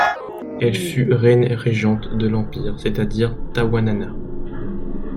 Elle fut reine-régente de l'Empire, c'est-à-dire Tawananna.